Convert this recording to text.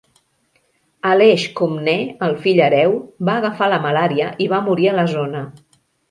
Aleix Comnè, el fill hereu, va agafar la malària i va morir a la zona.